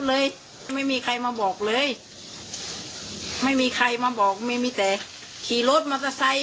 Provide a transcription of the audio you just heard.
เลยไม่มีใครมาบอกเลยไม่มีใครมาบอกไม่มีแต่ขี่รถมอเตอร์ไซค